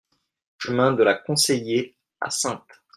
Chemin de la Conseillé à Saintes